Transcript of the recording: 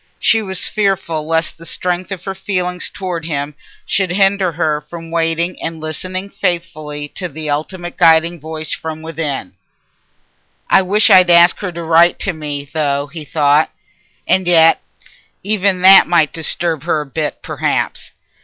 She was fearful lest the strength of her feeling towards him should hinder her from waiting and listening faithfully for the ultimate guiding voice from within. "I wish I'd asked her to write to me, though," he thought. "And yet even that might disturb her a bit, perhaps.